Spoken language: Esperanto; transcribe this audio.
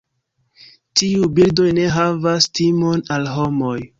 Tiuj birdoj ne havas timon al homoj.